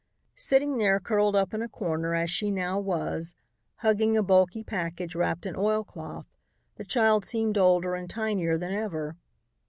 Sitting there curled up in a corner, as she now was, hugging a bulky package wrapped in oilcloth, the child seemed older and tinier than ever.